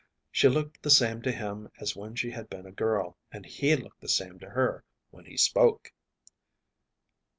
She looked the same to him as when she had been a girl, and he looked the same to her when he spoke.